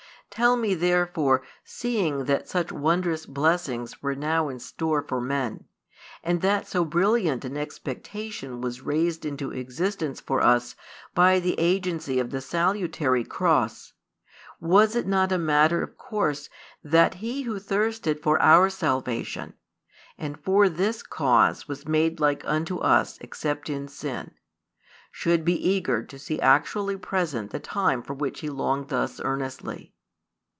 Tell me therefore, seeing that such wondrous blessings were now in store for men, and that so brilliant an expectation was raised into existence for us by the agency of the salutary cross, was it not a matter of course that He Who thirsted for our salvation, and for this cause was made like unto us except in sin, should be eager to see actually present the time for which He longed thus earnestly?